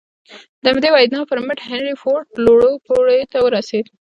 د همدې وينا پر مټ هنري فورډ لوړو پوړيو ته ورسېد.